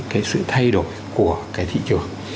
cái sự thay đổi của cái thị trường